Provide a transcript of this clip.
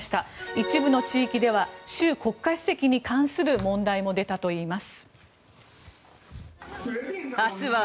一部の地域では習国家主席に関する問題も出たといいます。